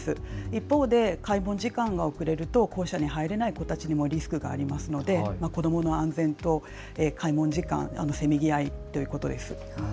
一方で開門時間が遅れると校舎に入れない子たちのリスクもありますので子どもの安全と開門時間のせめぎ合いということです。